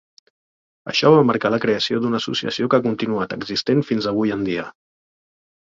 Això va marcar la creació d"una associació que ha continuat existent fins avui en dia.